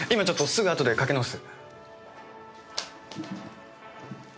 すぐあとでかけ直す。